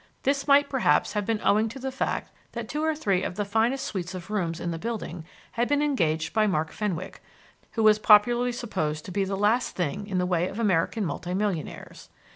This might perhaps have been owing to the fact that two or three of the finest suites of rooms in the building had been engaged by Mark Fenwick, who was popularly supposed to be the last thing in the way of American multi millionaires.